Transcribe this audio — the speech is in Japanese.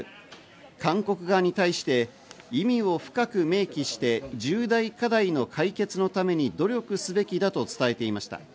韓国側に対して意義を深く明記して重大課題の解決のために努力すべきだと伝えていました。